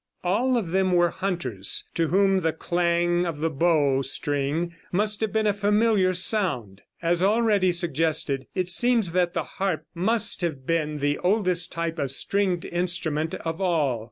All of them were hunters, to whom the clang of the bow string must have been a familiar sound. As already suggested, it seems that the harp must have been the oldest type of stringed instrument of all.